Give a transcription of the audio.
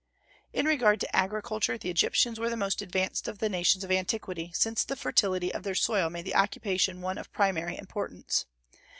In regard to agriculture the Egyptians were the most advanced of the nations of antiquity, since the fertility of their soil made the occupation one of primary importance.